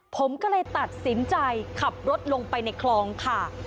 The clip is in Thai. ผมก็เลยตัดสินใจขับรถลงไปในคลองค่ะ